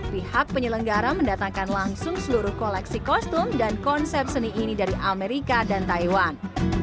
pihak penyelenggara mendatangkan langsung seluruh koleksi kostum dan konsep seni ini dari amerika dan taiwan